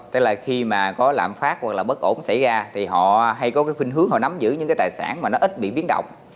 tức là khi mà có lạm phát hoặc là bất ổn xảy ra thì họ hay có cái khuyên hướng họ nắm giữ những cái tài sản mà nó ít bị biến động